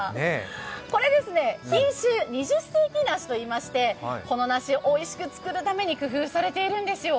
これですね、品種二十世紀梨といいまして、この梨、おいしく作るために工夫されているんですよ。